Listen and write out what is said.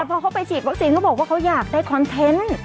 พอเขาไปฉีดวัคซีนเขาบอกว่าเขาอยากได้คอนเทนต์